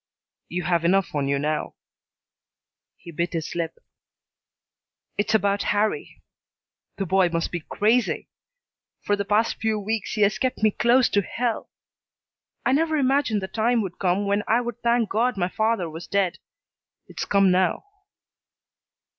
"You have enough on you now." He bit his lip. "It's about Harrie the boy must be crazy. For the past few weeks he has kept me close to hell. I never imagined the time would come when I would thank God my father was dead. It's come now."